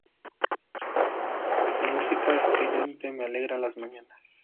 La música estridente me alegra las mañanas.